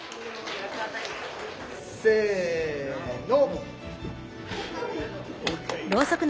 せの。